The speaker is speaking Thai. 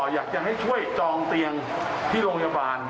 อยากจะให้ช่วยจองเตียงที่โรงพยาบาล